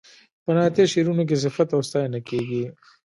په نعتیه شعرونو کې صفت او ستاینه کیږي.